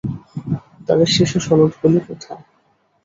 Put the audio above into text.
তাদের শিশু সনদগুলি কোথায়?